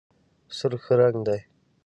سور ښه رنګ دی.